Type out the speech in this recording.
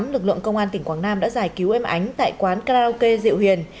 lực lượng công an tỉnh quảng nam đã giải cứu em ánh tại quán karaoke diệu hiền